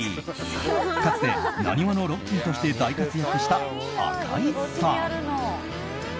かつて浪速のロッキーとして大活躍した赤井さん。